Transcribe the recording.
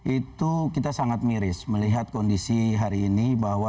itu kita sangat miris melihat kondisi hari ini bahwa